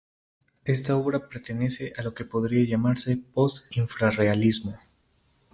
Esta obra pertenece a lo que podría llamarse post-infrarrealismo.